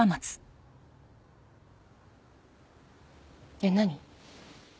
えっ何？